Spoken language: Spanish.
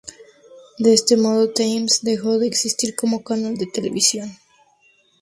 De este modo, Thames dejó de existir como canal de televisión.